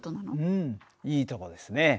うんいいとこですね。